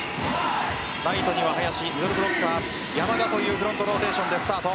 ライトには林ミドルブロッカー山田というフロントローテーションでスタート。